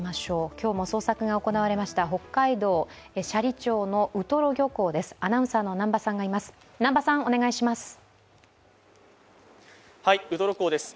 今日も捜索が行われました北海道斜里町のウトロ漁港です、アナウンサーの南波さん、お願いします。